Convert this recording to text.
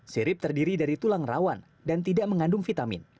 sirip terdiri dari tulang rawan dan tidak mengandung vitamin